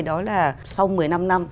đó là sau một mươi năm năm